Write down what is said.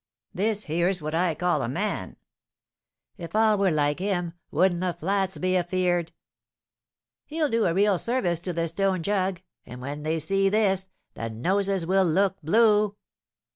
"This here's what I call a man!" "If all were like him, wouldn't the flats be afeard?" "He'll do a real service to the stone jug, and when they see this, the noses will look blue."